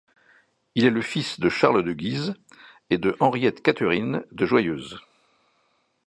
Il est le fils de Charles De Guise et de Henriette Catherine de Joyeuse.